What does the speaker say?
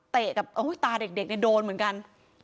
เตะกับโอ้โฮตาเด็กเนี่ยโดนเหมือนกัน